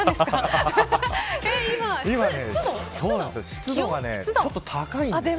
湿度がちょっと高いんです。